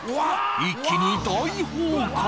一気に大崩壊！